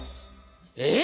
えっ！？